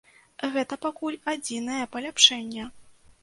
Гэта пакуль адзінае паляпшэнне.